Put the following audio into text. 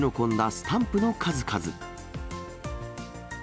スタンプの数々。